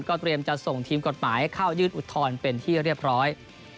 เตรียมจะส่งทีมกฎหมายเข้ายื่นอุทธรณ์เป็นที่เรียบร้อย